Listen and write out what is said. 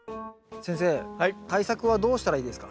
先生対策はどうしたらいいですか？